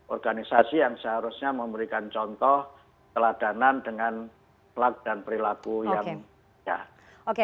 organisasi yang seharusnya memberikan contoh teladanan dengan plat dan perilaku yang